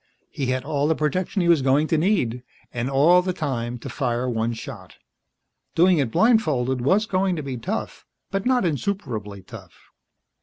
He had all the protection he was going to need. And all the time to fire one shot. Doing it blindfolded was going to be tough, but not insuperably tough.